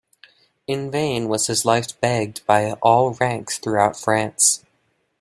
In vain was his life begged by all ranks throughout France.